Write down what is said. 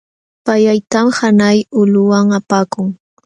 Payllaytam hanay ulquman apakun.